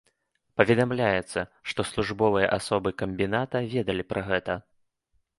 Паведамляецца, што службовыя асобы камбіната ведалі пра гэта.